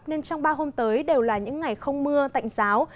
nên trong ba hôm tới đều là những ngày không mưa tạnh giáo